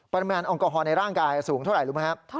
แอลกอฮอลในร่างกายสูงเท่าไหร่รู้ไหมครับ